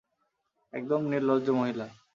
একদম নির্লজ্জ মহিলা!